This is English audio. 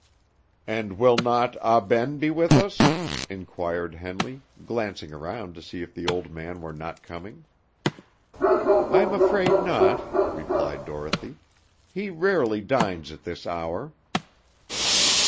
"And will not Ah Ben be with us?" inquired Henley, glancing around to see if the old man were not coming. "I'm afraid not," replied Dorothy; "he rarely dines at this hour."